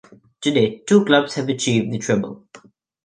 To date, two clubs have achieved the Treble.